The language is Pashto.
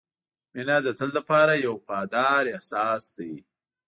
• مینه د تل لپاره یو وفادار احساس دی.